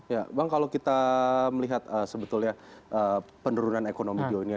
ya bang kalau kita melihat sebetulnya penurunan ekonomi global